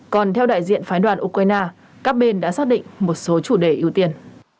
còn theo đại diện phái đoàn ukraine các bên đã xác định một số chủ đề ưu tiên